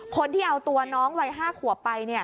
คนที่เอาตัวน้องวัย๕ขวบไป